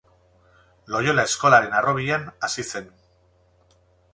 Loiola eskolaren harrobian hasi zen.